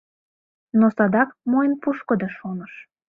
Но садак «Мо эн пушкыдо?» шоныш